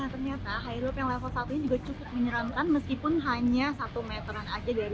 nah ternyata high roup yang level satu ini juga cukup menyeramkan meskipun hanya satu meteran aja dari